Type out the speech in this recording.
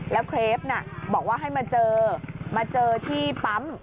แล้วเครปน่ะบอกว่าให้มาเจอมาเจอที่ปั๊ม